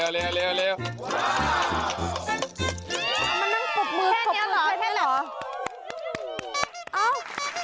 มันนั่งปบมือปบมือให้มันเหรอ